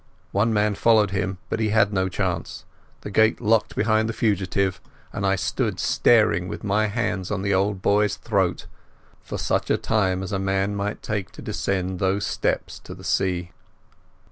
One man followed him, but he had no chance. The gate of the stairs locked behind the fugitive, and I stood staring, with my hands on the old boy's throat, for such a time as a man might take to descend those steps to the sea.